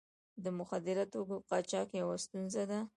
د مخدره توکو قاچاق یوه ستونزه ده.